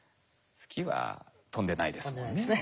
月は飛んでないですもんね。